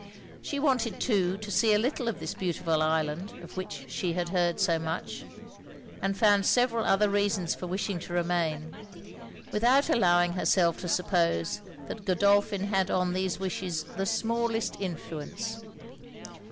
She wanted too to see a little of this beautiful island, of which she had heard so much; and found several other reasons for wishing to remain, without allowing herself to suppose that Godolphin had on these wishes the smallest influence.